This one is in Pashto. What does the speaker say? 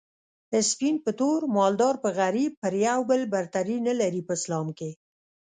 سپين په تور مالدار په غريب پر يو بل برتري نلري په اسلام کي